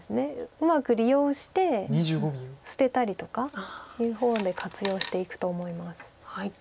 うまく利用して捨てたりとかいう方で活用していくと思います。